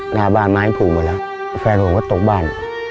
หน้าบ้านไม้ผูกหมดแล้วแฟนผมก็ตกบ้าน